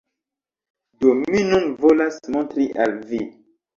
Do, mi nun volas montri al vi